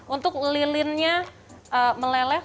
untuk lilinnya meleleh